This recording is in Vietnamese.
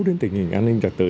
đến tình hình an ninh trật tự